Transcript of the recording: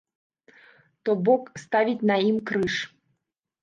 То бок, ставіць на ім крыж.